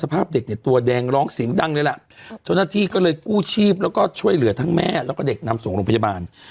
ภาพเด็กเนี่ยตัวแดงร้องเสียงดังเลยล่ะเจ้าหน้าที่ก็เลยกู้ชีพแล้วก็ช่วยเหลือทั้งแม่แล้วก็เด็กนำส่งโรงพยาบาล